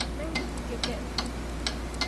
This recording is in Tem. Meegeti keke.